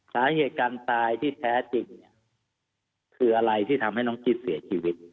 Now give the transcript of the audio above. สาเหตุการตายที่แท้จริงเนี่ยคืออะไรที่ทำให้น้องกิ๊บเสียชีวิต